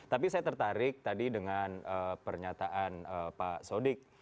tapi saya tertarik tadi dengan pernyataan pak sodik